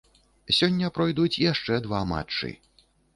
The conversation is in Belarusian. Сёння пройдуць яшчэ два матчы.